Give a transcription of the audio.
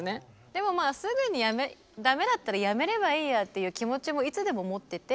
でもまあすぐに駄目だったらやめればいいやっていう気持ちもいつでも持ってて。